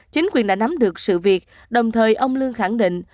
chính quyền đã nắm được sự việc đồng thời ông lương khẳng định